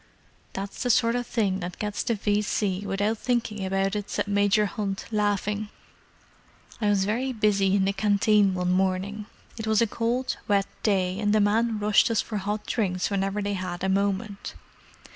"That's the sort that gets the V.C. without thinking about it," said Major Hunt, laughing. "I was very busy in the Canteen one morning—it was a cold, wet day, and the men rushed us for hot drinks whenever they had a moment.